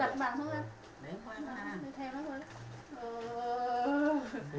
không ngại không ngại